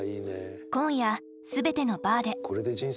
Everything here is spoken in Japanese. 「今夜、すべてのバーで」。